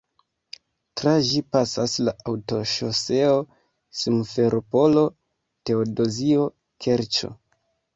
Tra ĝi pasas la aŭtoŝoseo Simferopolo-Teodozio-Kerĉo.